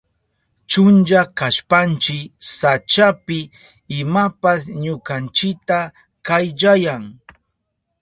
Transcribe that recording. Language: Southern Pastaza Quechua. Chunlla kashpanchi sachapi imapas ñukanchita kayllayan.